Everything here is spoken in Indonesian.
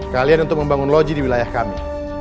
kalian untuk membangun loji di wilayah kami